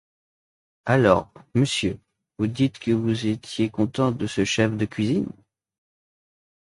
Alors, monsieur, vous dites que vous étiez content de ce chef de cuisine?